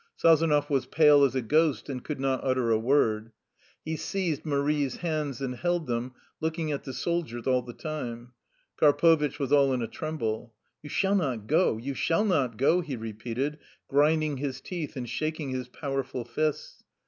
Sazonov was pale as a ghost, and could not utter a word. He seized Marie's hands, and held them, looking at the soldiers all the time. Karpovitch was all in a tremble. " You shall not go, you shall not go," he re peated, grinding his teeth and shaking his pow erful fists.